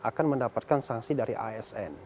akan mendapatkan sanksi dari asn